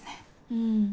うん。